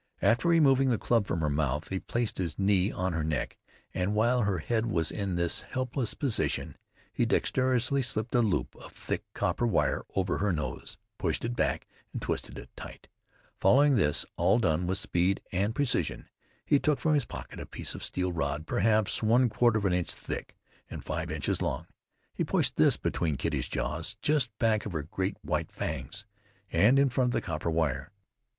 After removing the club from her mouth he placed his knee on her neck, and while her head was in this helpless position he dexterously slipped a loop of thick copper wire over her nose, pushed it back and twisted it tight Following this, all done with speed and precision, he took from his pocket a piece of steel rod, perhaps one quarter of an inch thick, and five inches long. He pushed this between Kitty's jaws, just back of her great white fangs, and in front of the copper wire.